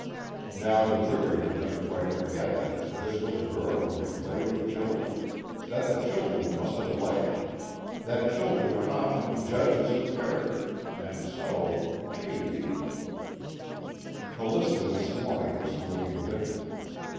Now the jury could never quite forget that this was a girl who could play with children; that the children must have liked her; that children are often "judges of character" and so maybe Callista this morning was looking different.